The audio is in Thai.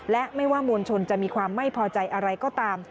และไม่ว่ามวลชนจะมีความไม่พอใจอะไรก็ตาม